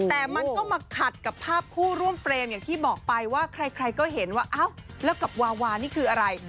แต่มันก็มาขัดกับภาพคู่ร่วมเฟรมอย่างที่บอกไปว่าใครก็เห็นว่าอ้าวแล้วกับวาวานี่คืออะไร